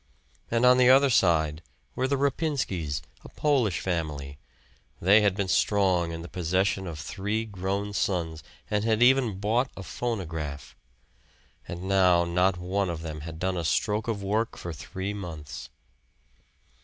And on the other side were the Rapinskys, a Polish family; they had been strong in the possession of three grown sons, and had even bought a phonograph. And now not one of them had done a stroke of work for three months.